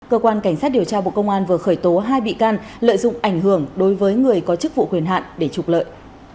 cơ quan cảnh sát điều tra bộ công an vừa khởi tố hai bị can lợi dụng ảnh hưởng đối với người có chức vụ quyền hạn để trục lợi